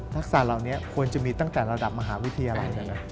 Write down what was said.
ศาสตร์เหล่านี้ควรจะมีตั้งแต่ระดับมหาวิทยาลัย